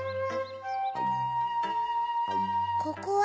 ここは？